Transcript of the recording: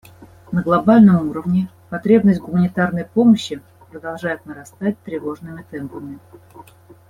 На глобальном уровне потребность в гуманитарной помощи продолжает нарастать тревожными темпами.